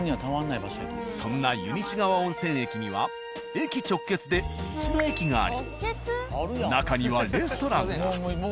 そんな湯西川温泉駅には駅直結で道の駅があり中にはレストランが。